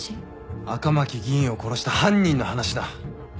赤巻議員を殺した犯人の話だ。